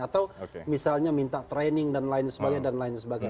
atau misalnya minta training dan lain sebagainya